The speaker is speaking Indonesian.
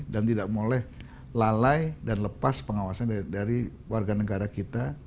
dan tidak boleh lalai dan lepas pengawasan dari warga negara kita